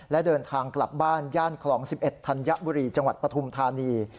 และเดินทางกลับบ้านย่านคลอง๑๑ธัญบุรีจังหวัดปฐุมธานี